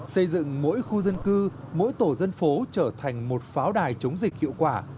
xây dựng mỗi khu dân cư mỗi tổ dân phố trở thành một pháo đài chống dịch hiệu quả